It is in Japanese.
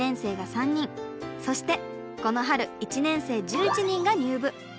そしてこの春１年生１１人が入部。